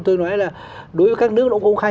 tôi nói là đối với các nước nó cũng công khai